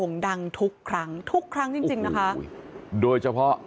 สวัสดีครับคุณผู้ชาย